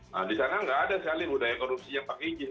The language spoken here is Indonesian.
nah di sana nggak ada sekali budaya korupsi yang pakai izin